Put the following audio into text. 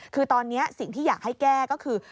คือตอนนี้สิ่งที่อยากให้แก้ก็คือ